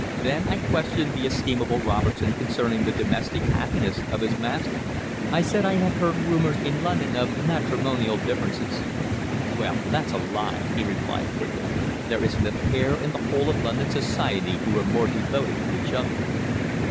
Then I questioned the estimable Robertson concerning the domestic happiness of his master. I said I had heard rumours in London of matrimonial differences. "Well, that's a lie," he replied quickly. "There isn't a pair in the whole of London Society who are more devoted to each other."